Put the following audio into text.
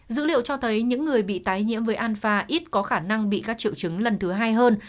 dữ liệu cho thấy những người bị tái nhiễm với alpha ít có khả năng bị các triệu chứng lần thứ hai hơn